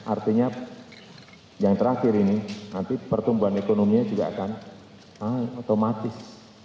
artinya yang terakhir ini nanti pertumbuhan ekonominya juga akan otomatis